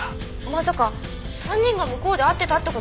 まさか３人が向こうで会ってたって事ですか？